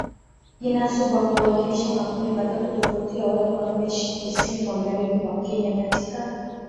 Jina Suba huwakilisha makundi matatu tofauti ya watu wanaoishi Kusini Magharibi mwa Kenya katika